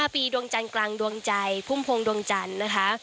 ๒๕ปีดวงจรรย์กลางดวงจัยภูมิภงดวงจรรย์นะคะ